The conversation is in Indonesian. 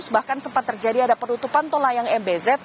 bahkan sempat terjadi ada penutupan tol layang mbz